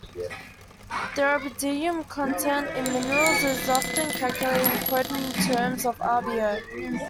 The rubidium content in minerals is often calculated and quoted in terms of RbO.